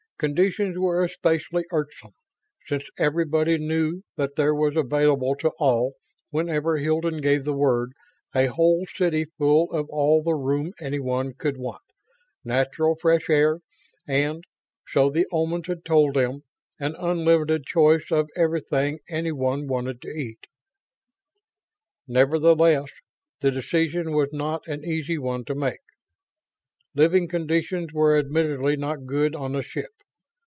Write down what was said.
Conditions were especially irksome since everybody knew that there was available to all, whenever Hilton gave the word, a whole city full of all the room anyone could want, natural fresh air and so the Omans had told them an unlimited choice of everything anyone wanted to eat. Nevertheless, the decision was not an easy one to make. Living conditions were admittedly not good on the ship.